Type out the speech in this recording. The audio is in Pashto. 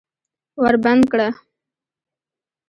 ور بند کړه!